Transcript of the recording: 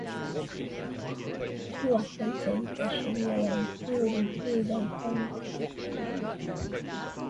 If not called, the infield fly rule is not in effect.